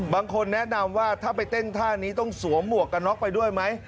บางคนแนะนำว่าถ้าไปเต้นท่านี้ต้องสวมหมวกกันน็อกไปด้วยไหม